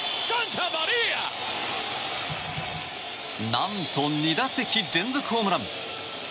何と２打席連続ホームラン！